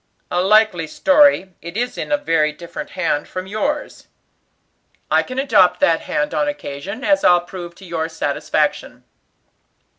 "A likely story; it is in a very different hand from yours." "I can adopt that hand on occasion, as I'll prove to your satisfaction."